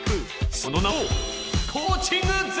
その名も。